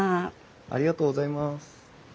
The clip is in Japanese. ありがとうございます。